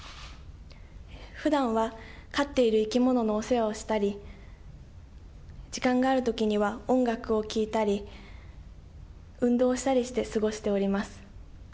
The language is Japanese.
ふだんは、飼っている生き物のお世話をしたり、時間があるときには、音楽を聴いたり、運動したりして過ごしております。